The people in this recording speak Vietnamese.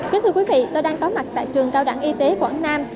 kính thưa quý vị tôi đang có mặt tại trường cao đẳng y tế quảng nam